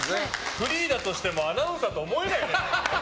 フリーだとしてもアナウンサーと思えないよ。